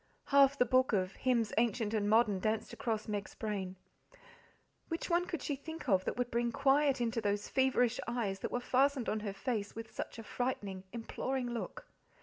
Half the book of "Hymns Ancient and Modern" danced across Meg's brain. Which one could she think of that would bring quiet into those feverish eyes that were fastened on her face with such a frightening, imploring look?